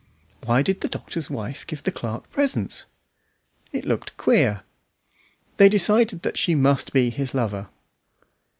Why did the doctor's wife give the clerk presents? It looked queer. They decided that she must be his lover.